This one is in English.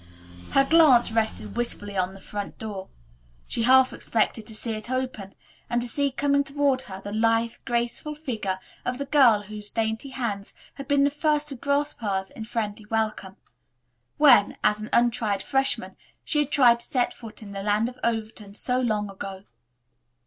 Her glance rested wistfully on the front door. She half expected to see it open and to see coming toward her the lithe, graceful figure of the girl whose dainty hands had been the first to grasp hers in friendly welcome, when, as an untried freshman, she had first set foot in the land of Overton so long ago.